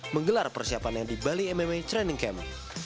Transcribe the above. menggelar persiapannya di bali mma training camp